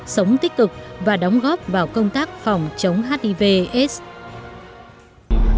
sống tích cực và đóng góp vào công tác phòng chống hiv aids